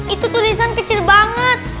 itu tulisan kecil banget